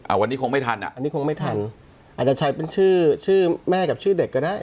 อันนี้คงไม่ทันน่ะอันนี้คงไม่ทันอาจจะใช้แม่แช่ดัขก็ได้